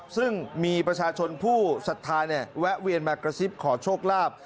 ซึ่งมีประชาชนผู้สัทธาแวะเวียนมากระซิบขอโชคลาภ